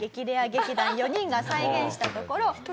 レア劇団４人が再現したところ。